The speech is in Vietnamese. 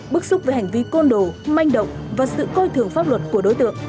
bức xúc với hành vi côn đồ manh động và sự coi thường pháp luật của đối tượng